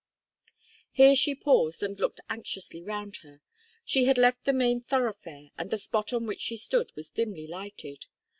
Here she paused and looked anxiously round her. She had left the main thoroughfare, and the spot on which she stood was dimly lighted.